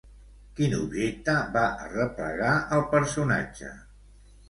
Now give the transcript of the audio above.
Quin objecte va arreplegar el personatge?